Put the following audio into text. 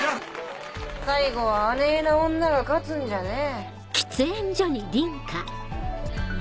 最後はあねぇな女が勝つんじゃねぇ。